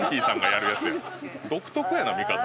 独特やな見方。